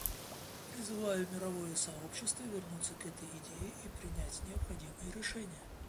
Призываю мировое сообщество вернуться к этой идее и принять необходимые решения.